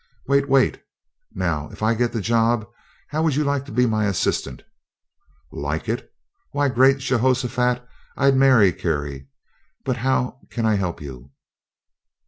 "Wait wait. Now, if I get the job, how would you like to be my assistant?" "Like it? Why, great Jehoshaphat! I'd marry Carrie but how can I help you?"